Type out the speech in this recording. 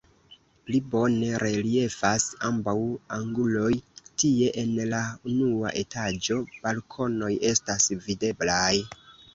Pli bone reliefas ambaŭ anguloj, tie en la unua etaĝo balkonoj estas videblaj.